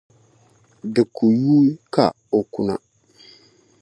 Di kuui ka o kuna.